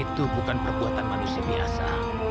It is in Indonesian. itu bukan perbuatan manusia biasa